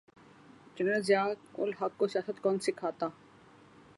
General Zia ul-Haq کو سیاست کون سکھاتا۔